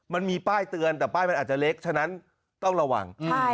มันมีป้ายเตือนแต่ป้ายมันอาจจะเล็กฉะนั้นต้องระวัง